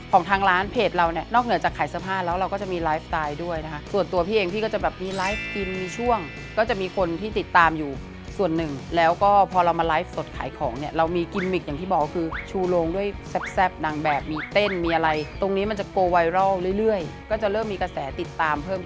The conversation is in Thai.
ของทางร้านเพจเราเนี่ยนอกเหนือจากขายเสื้อผ้าแล้วเราก็จะมีไลฟ์สไตล์ด้วยนะคะส่วนตัวพี่เองพี่ก็จะแบบมีไลฟ์กินมีช่วงก็จะมีคนที่ติดตามอยู่ส่วนหนึ่งแล้วก็พอเรามาไลฟ์สดขายของเนี่ยเรามีกิมมิกอย่างที่บอกคือชูโรงด้วยแซ่บนางแบบมีเต้นมีอะไรตรงนี้มันจะโกไวรัลเรื่อยก็จะเริ่มมีกระแสติดตามเพิ่ม